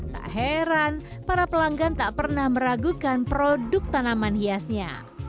tak heran para pelanggan tak pernah meragukan produk tanaman hiasnya